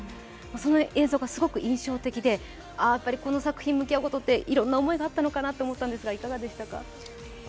その映像がすごく印象的で、この作品に向き合うことでいろんな思いがあったのかなと思ったんですが、いかがですか。